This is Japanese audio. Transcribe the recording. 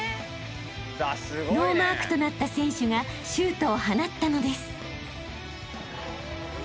［ノーマークとなった選手がシュートを放ったのです］